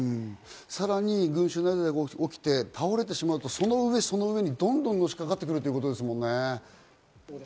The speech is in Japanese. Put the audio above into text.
さらに群集雪崩が起きて倒れてしまうと、その上にどんどんのしかかってくるということですものね。